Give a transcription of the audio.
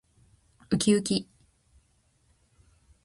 うきうき